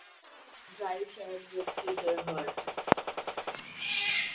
Drive shared with Peter Hirt.